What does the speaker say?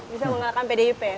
bisa mengalahkan pdp